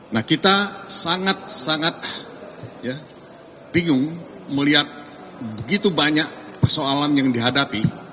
nah kita sangat sangat bingung melihat begitu banyak persoalan yang dihadapi